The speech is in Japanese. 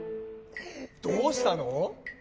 どうしたの？